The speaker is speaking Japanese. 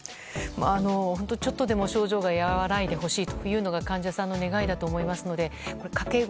ちょっとでも症状が和らいでほしいというのが患者さんの願いだと思いますので掛け声